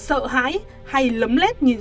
sợ hãi hay lấm lét nhìn